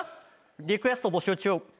リクエスト募集中。